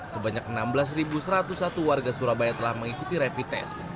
sebanyak enam belas satu ratus satu warga surabaya telah mengikuti rapid test